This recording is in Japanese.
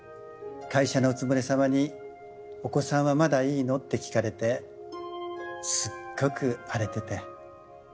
会社のおつぼねさまに「お子さんはまだいいの？」って聞かれてすっごく荒れてて。